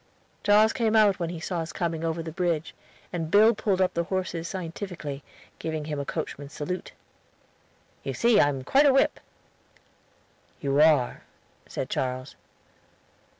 Charles came out when he saw us coming over the bridge, and Bill pulled up the horses scientifically, giving him a coachman's salute. "You see I am quite a whip." "You are," said Charles.